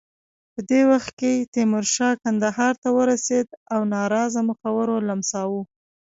په دې وخت کې تیمورشاه کندهار ته ورسېد او ناراضه مخورو لمساوه.